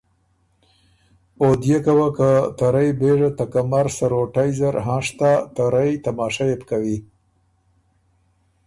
او ديېکه وه که ته رئ بېژه ته کمر سروټئ زر هنشتا ته رئ تماشۀ يې بو کوی۔